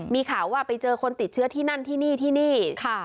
มีข่าวว่าไปเจอคนติดเชื้อที่นั่นที่นี่ที่นี่